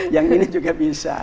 yang ini juga bisa